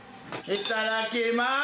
いただきます。